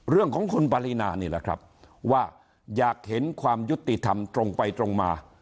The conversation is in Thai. เรื่องของคุณปรินานี่แหละครับว่าอยากเห็นความยุติธรรมตรงไปตรงมา